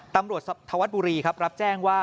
ตำรวจธวัฒนบุรีครับรับแจ้งว่า